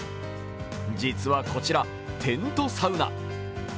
実は、こちらテントサウナ。